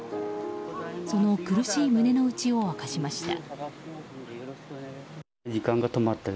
その苦しい胸の内を明かしました。